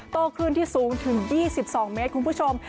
โตขึ้นที่สูงถึง๒๒เมตรคุณผู้ชม